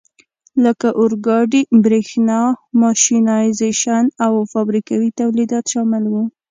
لکه اورګاډي، برېښنا، ماشینایزېشن او فابریکوي تولیدات شامل وو.